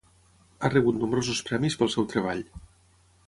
Ha rebut nombrosos premis pel seu treball.